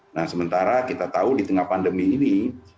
nah sementara kita tahu di tengah pandemi ini